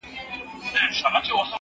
زما اوزگړي زما پسونه دي چیچلي